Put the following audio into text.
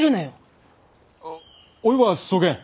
おいはそげん。